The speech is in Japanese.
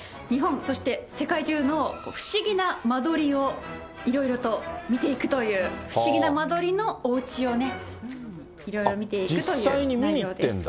そして世界中の不思議な間取りをいろいろと見ていくという、不思議な間取りのおうちをね、いろいろ見ていくという内容です。